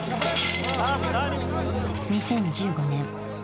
２０１５年。